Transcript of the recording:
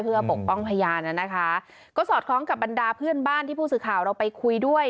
เพื่อปกป้องพยานน่ะนะคะก็สอดคล้องกับบรรดาเพื่อนบ้านที่ผู้สื่อข่าวเราไปคุยด้วย